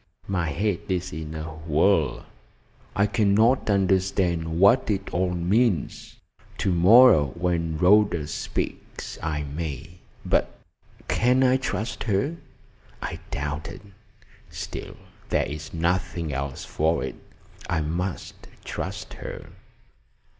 My head is in a whirl. I cannot understand what it all means. To morrow, when Rhoda speaks, I may. But can I trust her? I doubt it. Still, there is nothing else for it. I must trust her."